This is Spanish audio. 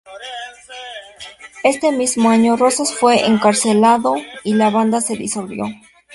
Este mismo año Rosas fue encarcelado y la banda se disolvió.